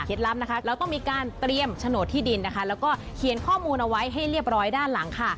ลับนะคะเราต้องมีการเตรียมโฉนดที่ดินนะคะแล้วก็เขียนข้อมูลเอาไว้ให้เรียบร้อยด้านหลังค่ะ